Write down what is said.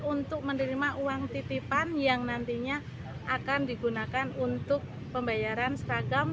untuk menerima uang titipan yang nantinya akan digunakan untuk pembayaran seragam